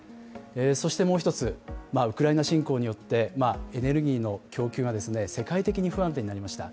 そしてもう一つ、ウクライナ侵攻によってエネルギーの供給が世界的に不安定になりました。